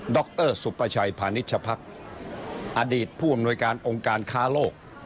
รสุปชัยพาณิชภักษ์อดีตผู้อำนวยการองค์การค้าโลก